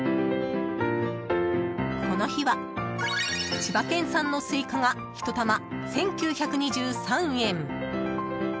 この日は、千葉県産のスイカが１玉１９２３円。